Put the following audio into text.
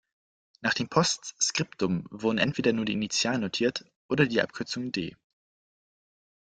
Nach dem Postskriptum wurden entweder nur die Initialen notiert oder die Abkürzung "d.